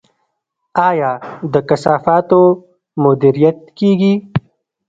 آیا د کثافاتو مدیریت کیږي؟